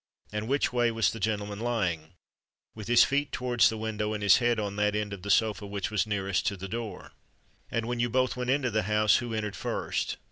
"And which way was the gentleman lying?" "With his feet towards the window, and his head on that end of the sofa which was nearest to the door." "And when you both went into the house, who entered first?"